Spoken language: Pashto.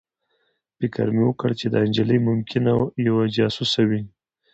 فکر مې وکړ چې دا نجلۍ ممکنه یوه جاسوسه وي